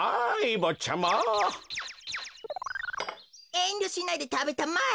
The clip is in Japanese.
えんりょしないでたべたまえ。